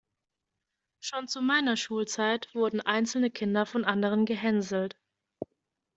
Schon zu meiner Schulzeit wurden einzelne Kinder von anderen gehänselt.